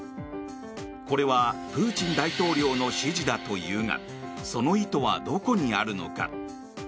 これはプーチン大統領の指示だというがその意図はどこにあるのか。